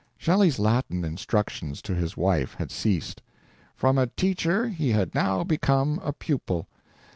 Shelley's Latin instructions to his wife had ceased. "From a teacher he had now become a pupil."